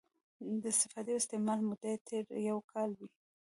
د استفادې او استعمال موده یې تر یو کال وي.